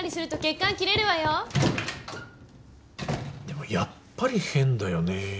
でもやっぱり変だよねぇ。